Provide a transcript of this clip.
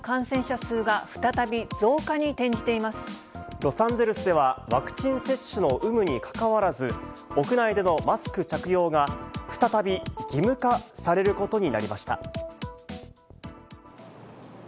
ロサンゼルスではワクチン接種の有無にかかわらず、屋内でのマスク着用が再び義務化されることになりました。